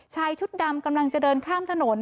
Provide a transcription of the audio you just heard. ชายชุดดำกำลังจะเดินข้ามถนน